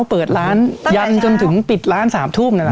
เปิดร้านยันจนถึงปิดร้าน๓ทูบในร้าน